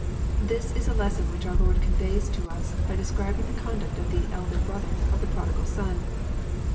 This is a lesson which our Lord conveys to us by de scribing the conduct of the "elder brother'' of the prodigal son.